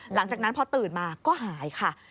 หลังจากนั้นพอตื่นมาก็หายค่ะ